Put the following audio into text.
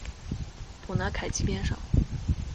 普纳凯基边上。